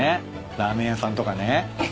ラーメン屋さんとかね。